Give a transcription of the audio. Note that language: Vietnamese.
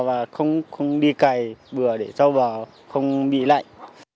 và không đi cày bừa để rau bò không bị lạnh